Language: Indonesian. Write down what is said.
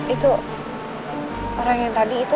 itu orang yang tadi itu